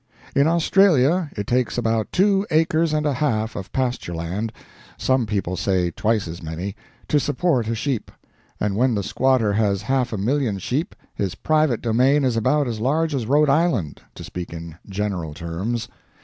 In Australia it takes about two acres and a half of pastureland (some people say twice as many), to support a sheep; and when the squatter has half a million sheep his private domain is about as large as Rhode Island, to speak in general terms.